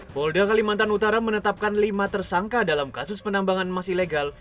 polda kalimantan utara menetapkan lima tersangka dalam kasus penambangan emas ilegal